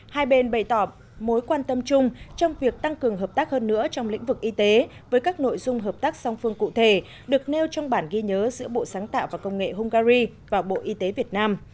hai bên bày tỏ mối quan tâm chung trong việc tăng cường hợp tác hơn nữa trong lĩnh vực y tế với các nội dung hợp tác song phương cụ thể được nêu trong bản ghi nhớ giữa bộ sáng tạo và công nghệ hungary và bộ y tế việt nam